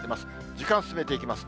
時間進めていきます。